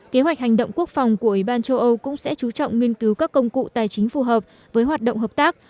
kế hoạch hành động quốc phòng của ủy ban châu âu cũng sẽ chú trọng nghiên cứu các công cụ tài chính phù hợp với hoạt động hợp tác